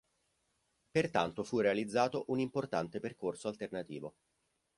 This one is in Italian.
Pertanto fu realizzato un importante percorso alternativo.